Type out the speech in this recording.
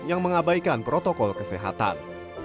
yang mengabuk dengan penyakit yang terkenal